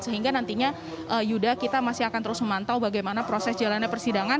sehingga nantinya yuda kita masih akan terus memantau bagaimana proses jalannya persidangan